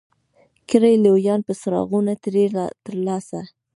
کړي لویان به څراغونه ترې ترلاسه